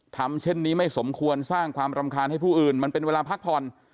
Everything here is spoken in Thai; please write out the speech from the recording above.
ทำเช่นนี้ไม่สมควรสร้างความรำคาญให้ผู้อื่นมันเป็นเวลาพักผ่อน